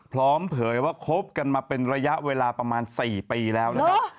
เผยว่าคบกันมาเป็นระยะเวลาประมาณ๔ปีแล้วนะครับ